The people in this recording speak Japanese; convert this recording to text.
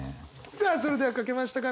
さあそれでは書けましたか？